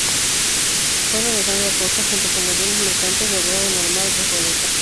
Juan Alejandro Acosta junto con algunos mercantes lograron armar dos goletas.